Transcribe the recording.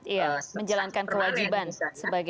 iya menjalankan kewajiban sebagai istri katanya